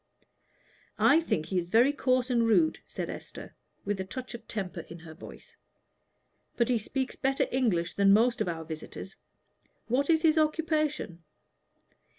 "I think he is very coarse and rude," said Esther, with a touch of temper in her voice. "But he speaks better English than most of our visitors. What is his occupation?"